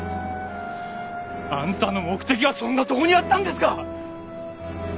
あんたの目的はそんなとこにあったんですか！